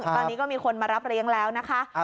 ตอนนี้ก็มีคนมารับเลี้ยงแล้วนะคะ